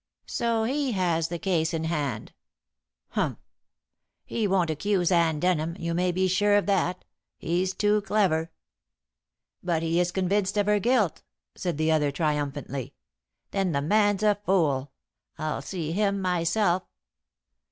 So he has the case in hand. Humph! He won't accuse Anne Denham, you may be sure of that. He's too clever." "But he is convinced of her guilt," said the other triumphantly. "Then the man's a fool. I'll see him myself."